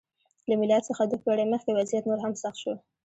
له میلاد څخه دوه پېړۍ مخکې وضعیت نور هم سخت شو.